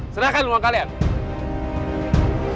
serahkan ruang kalian